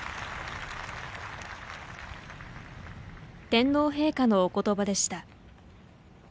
天皇陛下のおことばでした。